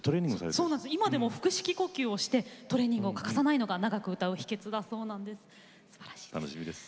今でも腹式呼吸をしてトレーニングを欠かさないのが長く歌う秘けつだそうです。